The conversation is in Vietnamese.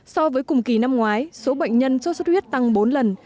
so với cùng kỳ năm ngoái số bệnh nhân sốt xuất huyết tăng bốn lần